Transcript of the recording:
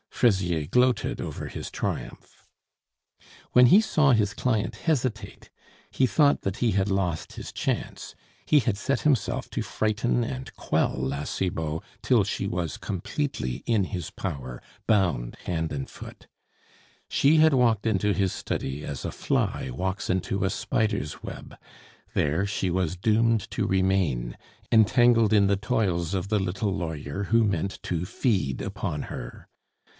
Fraisier gloated over his triumph. When he saw his client hesitate, he thought that he had lost his chance; he had set himself to frighten and quell La Cibot till she was completely in his power, bound hand and foot. She had walked into his study as a fly walks into a spider's web; there she was doomed to remain, entangled in the toils of the little lawyer who meant to feed upon her.